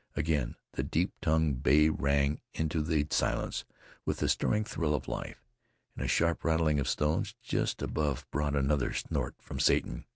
Again the deep toned bay rang into the silence with its stirring thrill of life. And a sharp rattling of stones just above brought another snort from Satan.